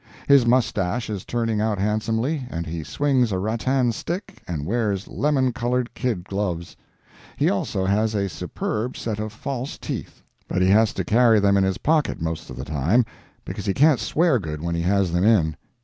His moustache is turning out handsomely, and he swings a rattan stick and wears lemon colored kid gloves. He also has a superb set of false teeth, but he has to carry them in his pocket most of the time, because he can't swear good when he has them in.